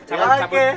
sambut ya sambut